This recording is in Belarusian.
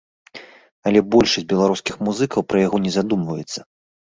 Але большасць беларускіх музыкаў пра яго не задумваецца.